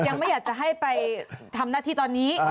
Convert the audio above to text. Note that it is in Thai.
ยังไม่อยากจะให้ไปทำหน้าที่ตอนนี้